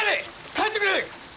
帰ってくれ！